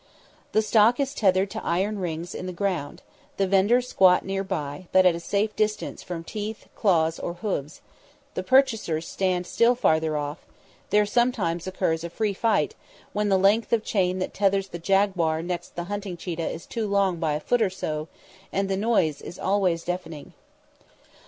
The stock is tethered to iron rings in the ground, the vendors squat near by, but at a safe distance from teeth, claws or hoofs; the purchasers stand still farther off; there sometimes occurs a free fight, when the length of the chain that tethers the jaguar next the hunting cheetah is too long by a foot or so; and the noise is always deafening.